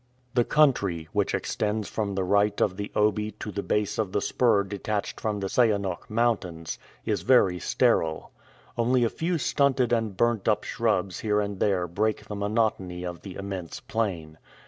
The country, which extends from the right of the Obi to the base of the spur detached from the Sayanok Mountains, is very sterile. Only a few stunted and burnt up shrubs here and there break the monotony of the immense plain.